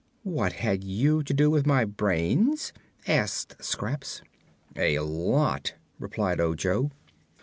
"What had you to do with my brains?" asked Scraps. "A lot," replied Ojo.